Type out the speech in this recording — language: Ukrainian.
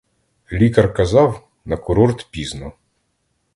Лікар казав: на курорт пізно.